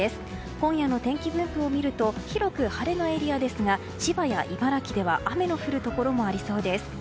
今夜の天気分布を見ると広く晴れのエリアですが千葉や茨城では雨の降るところもありそうです。